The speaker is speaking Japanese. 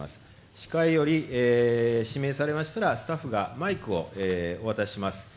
司会より氏名されましたら、スタッフがマイクをお渡しします。